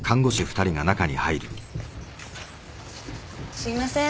すいません。